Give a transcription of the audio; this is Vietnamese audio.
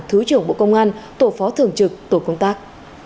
thứ trưởng bộ công an tổ phó thường trực tổ công tác